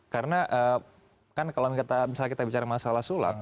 karena kan kalau misalnya kita bicara masalah sulap